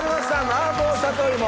麻婆里芋！